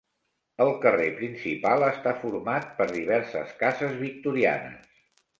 El carrer principal està format per diverses cases victorianes.